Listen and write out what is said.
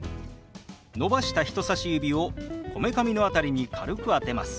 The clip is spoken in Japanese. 伸ばした人さし指をこめかみの辺りに軽く当てます。